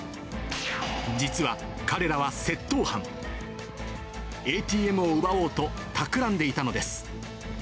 実は、彼らは窃盗犯。ＡＴＭを奪おうとたくらんでいたのです。